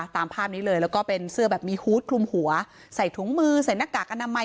ตามภาพนี้เลยแล้วก็เป็นเสื้อแบบมีฮูตคลุมหัวใส่ถุงมือใส่หน้ากากอนามัย